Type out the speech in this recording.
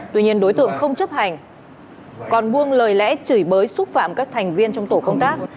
tuy nhiên đối tượng không chấp hành còn buông lời lẽ chửi bới xúc phạm các thành viên trong tổ công tác